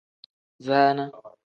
Zaana.